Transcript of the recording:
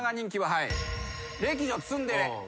はい。